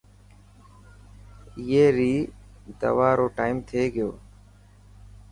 اي ري دوا رو ٽائيمٿي گيو.